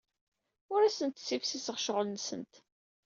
Ur asent-ssifsiseɣ ccɣel-nsent.